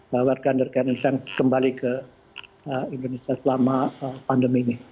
bawarkan kembali ke indonesia selama pandemi ini